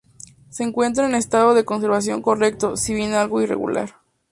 Se encuentra en estado de conservación correcto, si bien algo irregular.